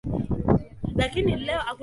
kufuatia mafuriko na maporomoko ya udongo